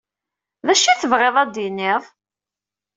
D acu i tebɣiḍ ad d-tiniḍ?